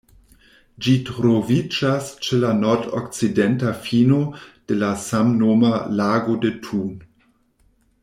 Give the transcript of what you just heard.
Ĝi troviĝas ĉe la nord-okcidenta fino de la samnoma Lago de Thun.